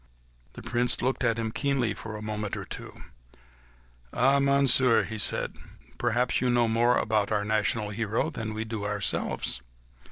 The Prince looked at him keenly for a moment or two. "Faith, then, Monsieur," he said, "perhaps you know more about our national hero than we do ourselves